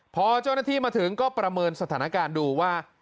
พอเจ้าหน้าที่มาถึงก็ประเมินสถานการณ์ดูว่า